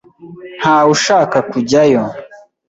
Ntawe ushaka kujyayo.